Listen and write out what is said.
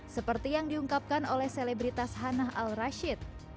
seperti yang diungkapkan oleh selebritas hana al rashid